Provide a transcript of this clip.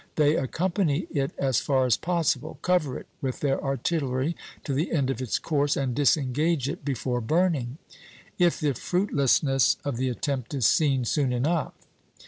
They accompany it as far as possible, cover it with their artillery to the end of its course, and disengage it before burning, if the fruitlessness of the attempt is seen soon enough.